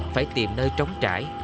phải tìm nơi trống trải